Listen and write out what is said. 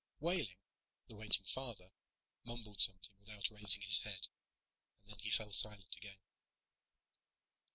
Wehling, the waiting father, mumbled something without raising his head. And then he fell silent again.